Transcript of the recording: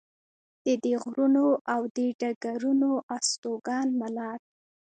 د دې غرونو او دې ډګرونو هستوګن ملت.